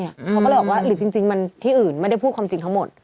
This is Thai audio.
เขาก็เลยบอกว่าหรือจริงมันที่อื่นไม่ได้พูดความจริงทั้งหมด